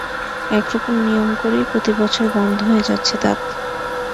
এক রকম নিয়ম করেই প্রতিবছর বন্ধ হয়ে যাচ্ছে তাঁত।